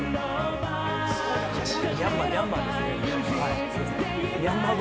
ミャンマーですね。